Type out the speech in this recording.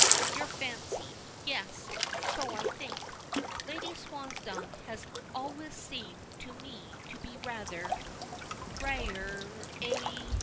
"Your fancy." "Yes, so I think. Lady Swansdown has always seemed to me to be rather raiher eh?"